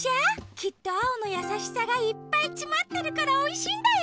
きっとアオのやさしさがいっぱいつまってるからおいしいんだよ！